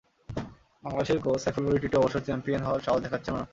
বাংলাদেশের কোচ সাইফুল বারী টিটু অবশ্য চ্যাম্পিয়ন হওয়ার সাহস দেখাচ্ছেনও না।